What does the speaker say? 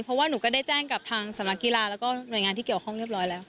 เพราะว่าหนูก็ได้แจ้งกับทางสำนักกีฬาแล้วก็หน่วยงานที่เกี่ยวข้องเรียบร้อยแล้ว